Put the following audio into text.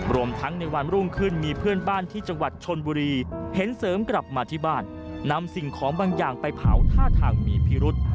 รวมทั้งในวันรุ่งขึ้นมีเพื่อนบ้านที่จังหวัดชนบุรีเห็นเสริมกลับมาที่บ้านนำสิ่งของบางอย่างไปเผาท่าทางมีพิรุษ